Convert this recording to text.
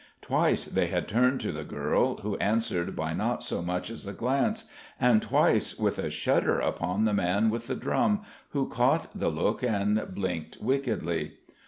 Twice they had turned to the girl, who answered by not so much as a glance; and twice with a shudder upon the man with the drum, who caught the look and blinked wickedly.